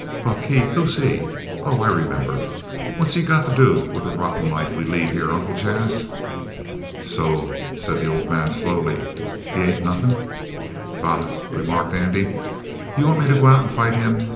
"Buck Heath! Who's he? Oh, I remember. What's he got to do with the rotten life we lead here, Uncle Jas?" "So?" said the old man slowly. "He ain't nothin'?" "Bah!" remarked Andy. "You want me to go out and fight him?